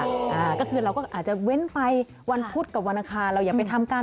เราก็คือเราก็เว้นไปวันพุธกับวันอังคาร